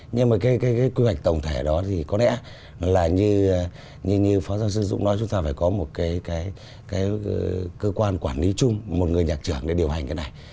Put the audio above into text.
nhưng mà cái quy hoạch tổng thể đó thì có lẽ là như phó giáo sư dũng nói chúng ta phải có một cái cơ quan quản lý chung một người nhạc trưởng để điều hành cái này